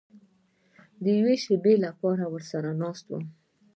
د یوې شېبې لپاره ورسره ناست وم.